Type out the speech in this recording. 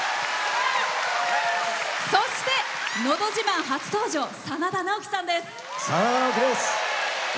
そして、「のど自慢」初登場真田ナオキさんです。